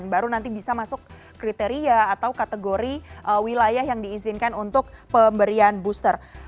baru nanti bisa masuk kriteria atau kategori wilayah yang diizinkan untuk pemberian booster